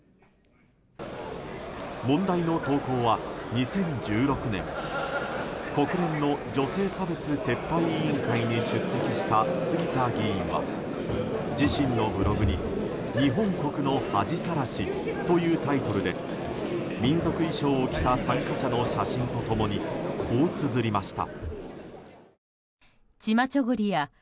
問題の投稿は２０１６年国連の女性差別撤廃委員会に出席した杉田議員は自身のブログに「日本国の恥晒し」というタイトルで民族衣装を着た参加者の写真と共にこうつづりました。